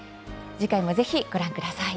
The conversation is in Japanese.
次回もぜひご覧ください。